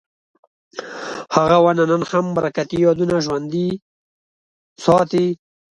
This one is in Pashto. هغه ونه نن هم برکتي یادونه ژوندي ساتي.